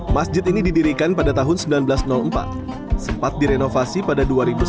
masjid ini didirikan pada tahun seribu sembilan ratus empat sempat direnovasi pada dua ribu sembilan